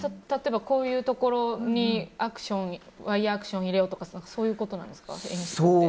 こういうところにワイヤアクション入れようとかそういうことですか？